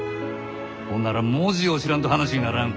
ほんなら文字を知らんと話にならん。